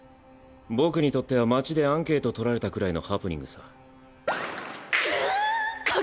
僕にとっては街でアンケート取られたくらいのハプニングさ。